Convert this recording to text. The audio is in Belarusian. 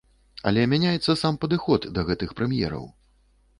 Але мяняецца сам падыход да гэтых прэм'ераў.